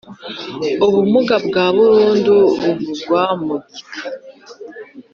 Ubumuga bwa burundu buvugwa mu gika